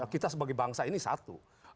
kita sebagai bangsa ini satu